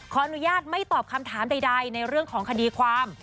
ขออนุญาตไม่ตอบคำถามใดในเรื่องของคดีความ